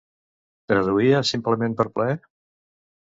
Traduïa simplement per plaer?